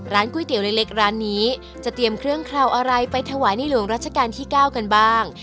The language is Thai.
ก๋วยเตี๋ยวเล็กร้านนี้จะเตรียมเครื่องเคราวอะไรไปถวายในหลวงรัชกาลที่๙กันบ้าง